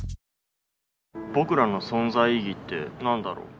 僕らの存在意義って何だろう？